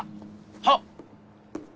はっ。